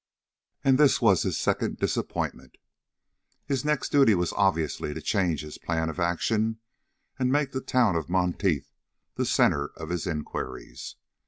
And this was his second disappointment. His next duty was obviously to change his plan of action and make the town of Monteith the centre of his inquiries.